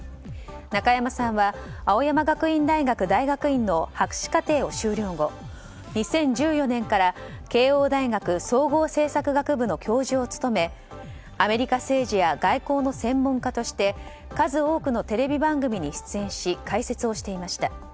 中山さんは青山学院大学大学院の博士課程を修了後２０１４年から慶應大学総合政策学部の教授を務めアメリカ政治や外交の専門家として数多くのテレビ番組に出演し解説をしていました。